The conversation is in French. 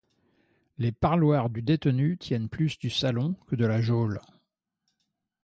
Les parloirs du détenu tiennent plus du salon que de la geôle.